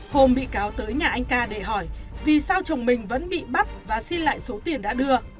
hôm bị cáo tới nhà anh ca để hỏi vì sao chồng mình vẫn bị bắt và xin lại số tiền đã đưa